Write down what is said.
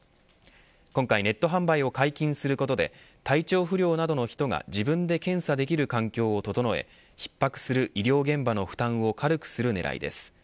今回ネット販売を解禁することで体調不良などの人が自分で検査できる環境を整え逼迫する医療現場の負担を軽くする狙いです。